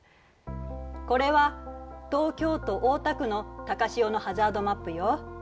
これは東京都大田区の高潮のハザードマップよ。